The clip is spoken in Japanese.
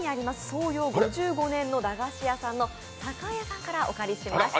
創業５５年の駄菓子屋さんの、さかえやさんからお借りしました。